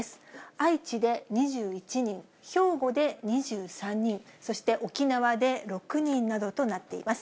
愛知で２１人、兵庫で２３人、そして沖縄で６人などとなっています。